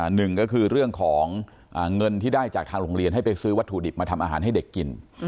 หนึ่งก็คือเรื่องของเงินที่ได้จากทางโรงเรียนให้ไปซื้อวัตถุดิบมาทำอาหารให้เด็กกิน